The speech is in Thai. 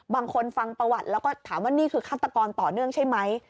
ฟังประวัติแล้วก็ถามว่านี่คือฆาตกรต่อเนื่องใช่ไหม